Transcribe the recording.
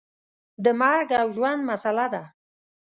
د مرګ او ژوند مسله ده.